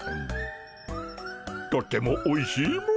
とてもおいしいモ。